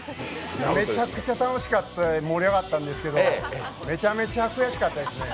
めちゃくちゃ楽しくて盛り上がったんですけどめちゃくちゃ悔しかったですね。